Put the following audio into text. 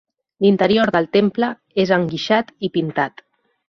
L'interior del temple és enguixat i pintat.